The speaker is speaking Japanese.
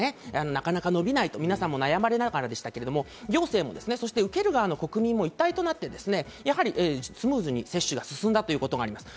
なかなか伸びないと皆さんも悩まれながらでしたけど、行政も受ける側の国民も一体となってスムーズに接種が進んだということがありました。